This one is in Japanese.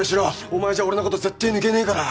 お前じゃ俺のこと絶対抜けねえから！